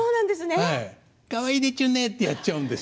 かわいいでちゅねってやっちゃうんです。